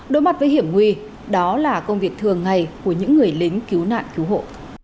đối mặt với hiểm nguy đó là công việc thường ngày của những người lính cứu nạn cứu hộ